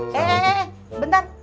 eh eh eh bentar